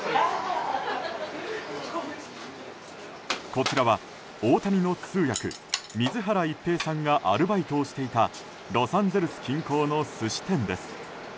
こちらは、大谷の通訳水原一平さんがアルバイトをしていたロサンゼルス近郊の寿司店です。